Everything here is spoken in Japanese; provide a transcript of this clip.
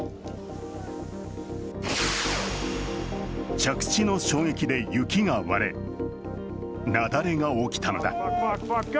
着地の衝撃で雪で割れ、雪崩が起きたのだ。